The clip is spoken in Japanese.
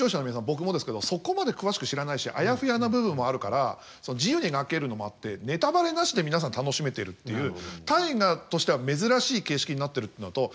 僕もですけどそこまで詳しく知らないしあやふやな部分もあるから自由に描けるのもあってネタバレなしで皆さん楽しめてるっていう「大河」としては珍しい形式になってるっていうのと。